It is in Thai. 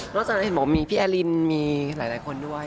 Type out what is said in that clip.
จากนั้นเห็นบอกว่ามีพี่แอลินมีหลายคนด้วย